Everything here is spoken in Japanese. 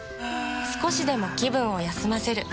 少しでも気分を休ませる。